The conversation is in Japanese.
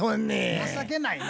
情けないな。